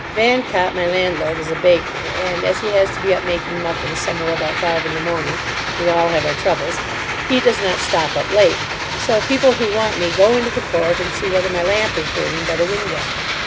Vancott, my landlord, is a baker, and, as he has to be up making muffins somewhere about five in the morning—we all have our troubles—he does not stop up late. So people who want me go into the court, and see whether my lamp is burning by the window.